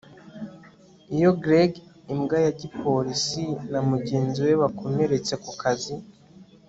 Iyo Greg imbwa ya gipolisi na mugenzi we bakomeretse ku kazi